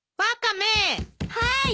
はい。